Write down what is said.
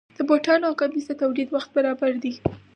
د بوټانو او کمیس د تولید وخت برابر دی.